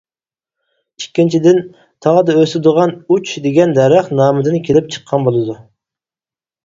ئىككىنچىدىن، تاغدا ئۆسىدىغان «ئۇچ» دېگەن دەرەخ نامىدىن كېلىپ چىققان بولىدۇ.